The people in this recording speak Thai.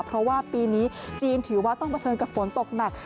เพราะว่าปีนี้จีนถือว่าต้องเผชิญกับฝนตกหนัก